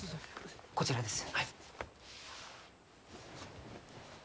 こちらです。